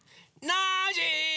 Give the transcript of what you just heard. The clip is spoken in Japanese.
ノージー！